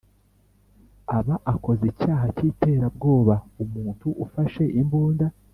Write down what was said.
Aba akoze icyaha cy iterabwoba umuntu ufashe imbunda